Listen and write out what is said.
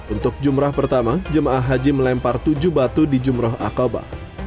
untuk jumrah pertama jemaah haji melempar tujuh batu di jumroh akobah